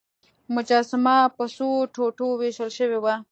مجسمه په څو ټوټو ویشل شوې وه.